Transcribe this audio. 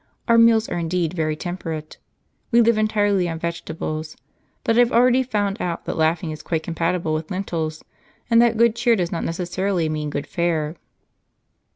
Our meals are indeed very temperate; we live entirely on vegetables ; but I have already found out that laughing is quite compatible with lentils, and that good cheer does not necessarily mean good fare."